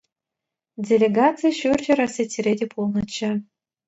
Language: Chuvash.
Делегаци Ҫурҫӗр Осетире те пулнӑччӗ.